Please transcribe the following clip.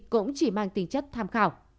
cũng chỉ mang tính chất tham khảo